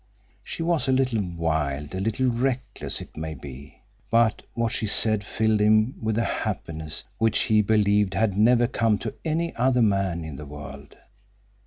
She was a little wild, a little reckless it may be, but what she said filled him with a happiness which he believed had never come to any other man in the world.